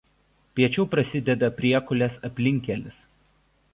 Piečiau prasideda Priekulės aplinkkelis.